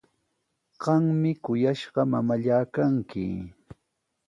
Qami kuyashqa mamallaa kanki.